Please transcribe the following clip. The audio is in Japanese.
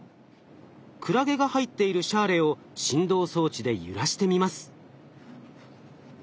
クラゲが入っているシャーレを振動装置で揺らしてみます。